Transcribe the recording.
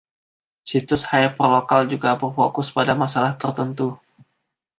Situs hyperlocal juga berfokus pada masalah tertentu.